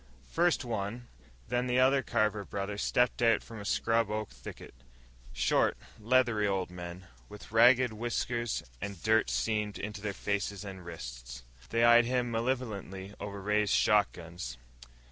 First one, then the other Carver brother stepped out from a scrub oak thicket short, leathery old men, with ragged whiskers and dirt seamed into their faces and wrists. They eyed him malevolently over raised shotguns.